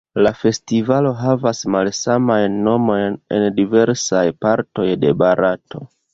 La festivalo havas malsamajn nomojn en diversaj partoj de Barato.